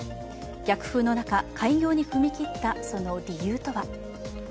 逆風の中、開業に踏み切ったその理由とは。